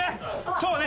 そうね！